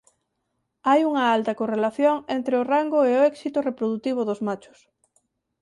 Hai unha alta correlación entre o rango e o éxito reprodutivo dos machos.